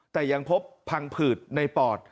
แต่ยังพบพังผืดในปอด